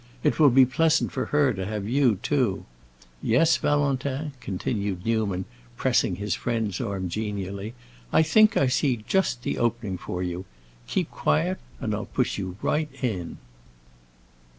It will be pleasant for her to have you, too. Yes, Valentin," continued Newman, pressing his friend's arm genially, "I think I see just the opening for you. Keep quiet and I'll push you right in."